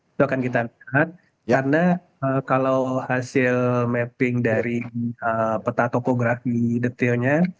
itu akan kita lihat karena kalau hasil mapping dari peta topografi detailnya